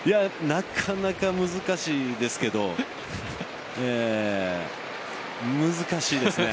なかなか難しいんですけど難しいですね。